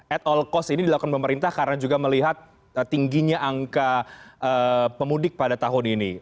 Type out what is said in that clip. at all cost ini dilakukan pemerintah karena juga melihat tingginya angka pemudik pada tahun ini